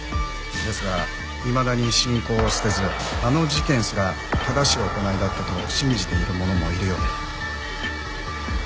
ですがいまだに信仰を捨てずあの事件すら正しい行いだったと信じている者もいるようで。